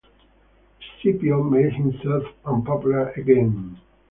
Scipio made himself unpopular again.